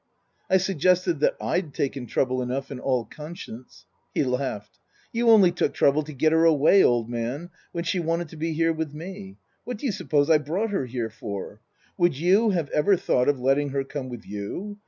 I suggested that 7'd taken trouble enough in all con science. He laughed. ' You only took trouble to get her away, old man, when she wanted to be here with me. What do you suppose I brought her here for ? Would you have ever thought of letting her come with you